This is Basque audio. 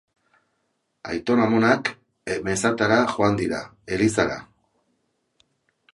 Aiton-amonak mezatara joan dira, elizara.